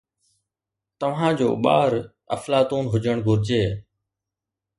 توهان جو ٻار افلاطون هجڻ گهرجي